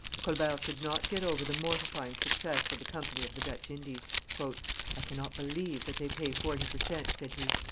Colbert could not get over the mortifying success of the company of the Dutch Indies. "I cannot believe that they pay forty per cent.," said he.